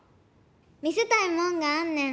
見せたいもんがあんねん。